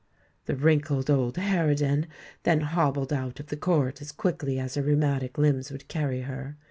The wrinkled old harridan then hobbled out of the court as quickly as her rheumatic limbs would carry her.